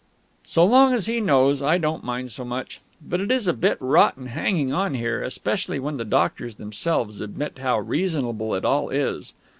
So as long as he knows, I don't mind so much. But it is a bit rotten hanging on here, especially when the doctors themselves admit how reasonable it all is....